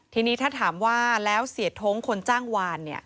ทีนี้ถ้าถามว่าแล้วเสียท้งคนจ้างวาน